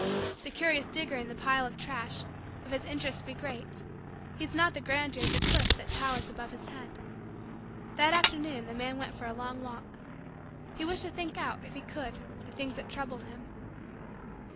The curious digger in the pile of trash, if his interest be great, heeds not the grandeur of the cliff that towers above his head. That afternoon the man went for a long walk. He wished to think out, if he could, the things that troubled him.